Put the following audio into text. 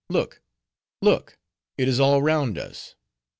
Look, look; it is all round us.